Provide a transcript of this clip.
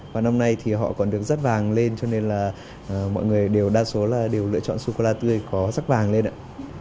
và năm nay thì họ còn được rắt vàng lên cho nên là mọi người đều đa số là đều lựa chọn sô cô la tươi có sắc vàng lên ạ